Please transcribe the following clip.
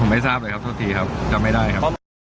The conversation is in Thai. ไม่ทราบเลยครับทุกทีครับจำไม่ได้ครับ